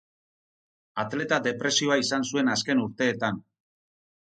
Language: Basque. Atleta depresioa izan zuen azken urteetan.